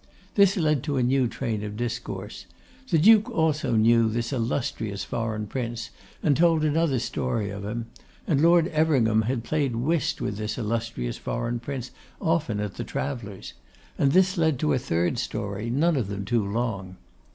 This led to a new train of discourse. The Duke also knew this illustrious foreign Prince, and told another story of him; and Lord Everingham had played whist with this illustrious foreign Prince often at the Travellers', and this led to a third story; none of them too long.